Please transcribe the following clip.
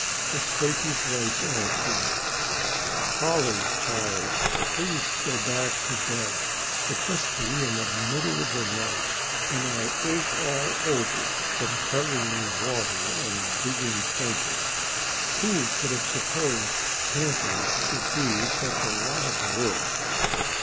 A sleepy voice answered. "Polly child, please go back to bed, it must be the middle of the night and I ache all over from carrying water and digging trenches. Who could have supposed camping would be such a lot of work!"